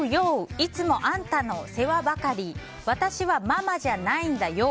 いつもあんたの世話ばかり私はママじゃないんだよ！